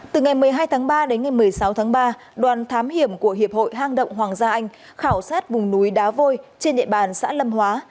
từ ngày một mươi hai tháng ba đến ngày một mươi sáu tháng ba đoàn thám hiểm của hiệp hội hang động hoàng gia anh khảo sát vùng núi đá vôi trên địa bàn xã lâm hóa